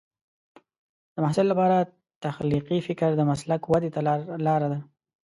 د محصل لپاره تخلیقي فکر د مسلک ودې ته لار ده.